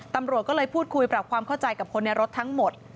ตำรวจก็เลยพูดคุยปรับความเข้าใจกับคนในรถทั้งหมด